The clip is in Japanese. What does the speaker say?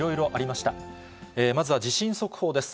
まずは地震速報です。